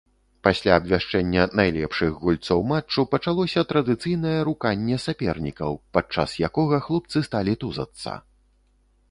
Пасля абвяшчэння найлепшых гульцоў матчу пачалося традыцыйнае руканне сапернікаў, падчас якога хлопцы сталі тузацца.